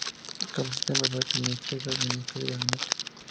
Consiste en el primer ministro y los ministros del gabinete.